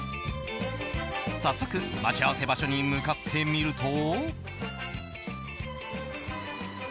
早速、待ち合わせ場所に向かってみると。